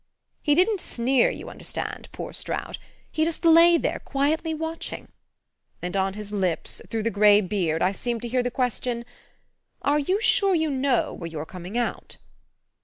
He didn't sneer, you understand, poor Stroud he just lay there quietly watching, and on his lips, through the gray beard, I seemed to hear the question: 'Are you sure you know where you're coming out?